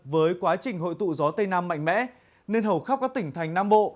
với quá trình hội tụ gió tây nam mạnh mẽ nên hầu khắp các tỉnh thành nam bộ